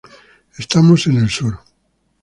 Estamos en el Sur.